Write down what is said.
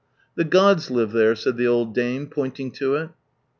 "The gods live there," said the old dame, pointing to it.